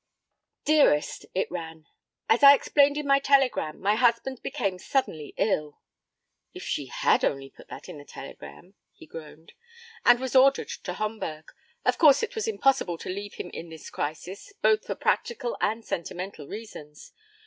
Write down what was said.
'Dearest,' it ran, 'as I explained in my telegram, my husband became suddenly ill' ('if she had only put that in the telegram,' he groaned) 'and was ordered to Homburg. Of course it was impossible to leave him in this crisis, both for practical and sentimental reasons.